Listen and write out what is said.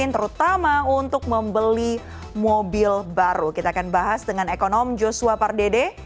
terutama untuk membeli mobil baru kita akan bahas dengan ekonom joshua pardede